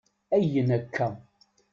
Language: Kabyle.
Ayyen akka?